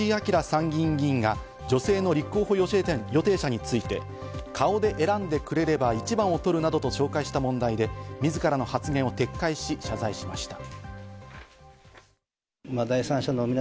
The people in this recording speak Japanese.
参議院議員が女性の立候補予定者について、顔で選んでくれれば１番を取るなどと紹介した問題で自らの発言を撤回し謝罪しました。